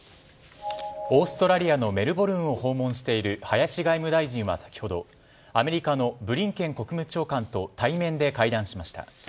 オーストラリアのメルボルンを訪問している林外務大臣は先ほどアメリカのブリンケン国務長官と対面で会談しました。